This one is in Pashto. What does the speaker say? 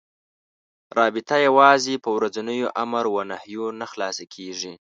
رابطه یوازې په ورځنيو امر و نهيو نه خلاصه کېږي.